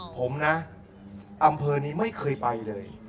ผมนะอำเภอนี้ไม่เคยไปเลย